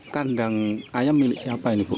kandang ayam milik siapa ini bu